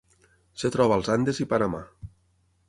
Es troba als Andes i Panamà.